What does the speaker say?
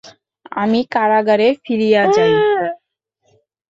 আমি কারাগারে ফিরিয়া যাই।